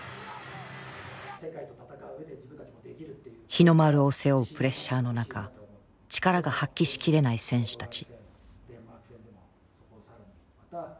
日の丸を背負うプレッシャーの中力が発揮しきれない選手たち。